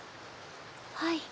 はい。